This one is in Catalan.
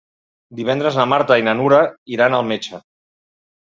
Divendres na Marta i na Nura iran al metge.